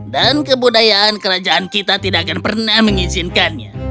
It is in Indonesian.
dan kebudayaan kerajaan kita tidak akan pernah mengizinkannya